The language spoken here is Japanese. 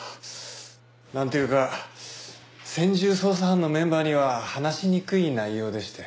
なんというか専従捜査班のメンバーには話しにくい内容でして。